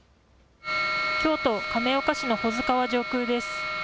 京都亀岡市の保津川上空です。